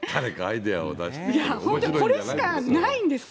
本当、これしかないんですか？